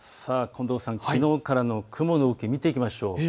近藤さん、きのうからの雲の動きを見ていきましょう。